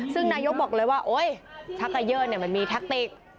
ซึ่งนายกบอกเลยว่าโอ๊ยชักเกยอร์มันมีแท็กติก